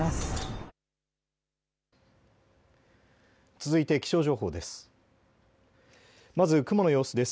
続いて気象情報です。